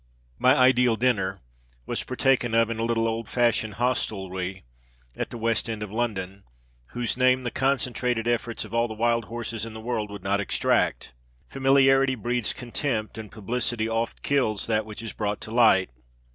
My Ideal Dinner was partaken of in a little old fashioned hostelry (at the west end of London), whose name the concentrated efforts of all the wild horses in the world would not extract. Familiarity breeds contempt, and publicity oft kills that which is brought to light.